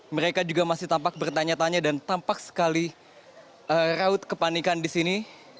mereka juga masih tampak bertanya tanya dan tampak sekali raut kepanikan di sini